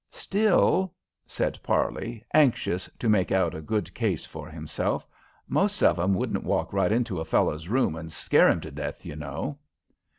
"Still," said Parley, anxious to make out a good case for himself, "most of 'em wouldn't walk right into a fellow's room and scare him to death, you know."